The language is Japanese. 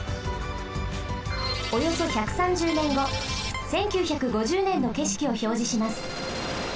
およそ１３０ねんご１９５０ねんのけしきをひょうじします。